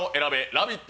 ラヴィット！